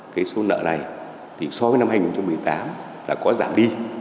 cái số nợ này thì so với năm hai nghìn một mươi tám là có giảm đi